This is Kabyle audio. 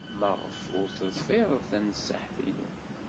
Maɣef ur teḍfired tanṣiḥt-inu?